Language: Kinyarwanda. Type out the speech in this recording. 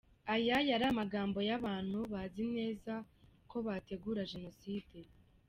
Aya yari amagambo y’abantu bazi neza ko bategura Jenoside.